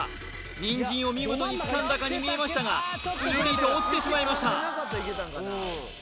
ニンジンを見事につかんだかに見えましたがするりと落ちてしまいました